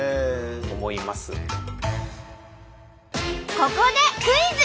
ここでクイズ！